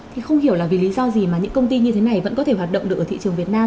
thì không hiểu là vì lý do gì mà những công ty như thế này vẫn có thể hoạt động được ở thị trường việt nam